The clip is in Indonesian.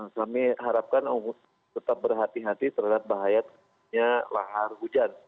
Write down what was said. kami harapkan tetap berhati hati terhadap bahayanya lahar hujan